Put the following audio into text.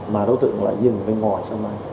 mà đối tượng lại dừng bên ngoài sân bay